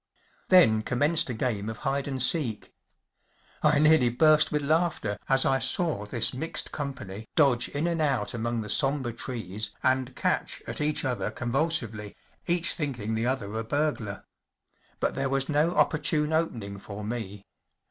Then commenced a game of hide and seek. I nearly burst with laughter as I saw this mixed company dodge in and out among the sombre trees and catch at each other convulsively, each thinking the other a burglar. But there was no opportune open¬ ing for me.